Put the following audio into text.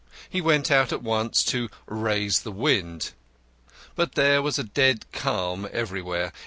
He went out at once to "raise the wind." But there was a dead calm everywhere.